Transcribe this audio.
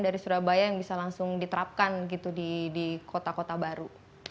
dari surabaya yang bisa langsung diterapkan gitu di kota kota baru